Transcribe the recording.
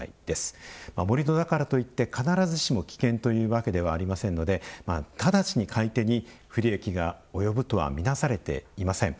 盛土だからといって必ずしも危険というわけではありませんので直ちに買い手に不利益が及ぶとはみなされていません。